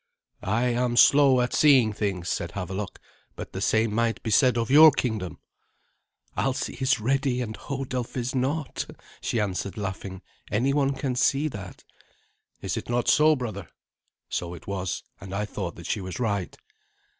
"I am slow at seeing things," said Havelok; "but the same might be said of your kingdom." "Alsi is ready, and Hodulf is not," she answered, laughing; "any one can see that. "Is it not so, brother?" So it was; and I thought that she was right.